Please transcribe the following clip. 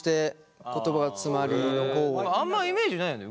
あんまイメージないよね。